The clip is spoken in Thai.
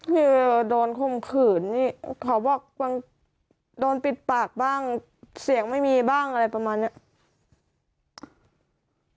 คือโดนคมขืนนี่เขาบอกบางโดนปิดปากบ้างเสียงไม่มีบ้างอะไรประมาณเนี้ย